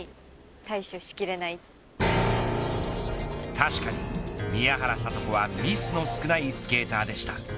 確かに宮原知子はミスの少ないスケーターでした。